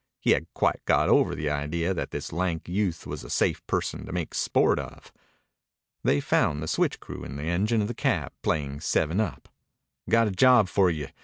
He had quite got over the idea that this lank youth was a safe person to make sport of. They found the switch crew in the engine of the cab playing seven up. "Got a job for you.